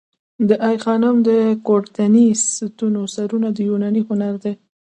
د آی خانم د کورینتی ستونو سرونه د یوناني هنر دي